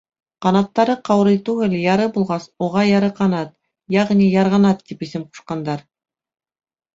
Ҡанаттары ҡаурый түгел, яры булғас, уға яры ҡанат, йәғни «ярғанат» тип исем ҡушҡандар.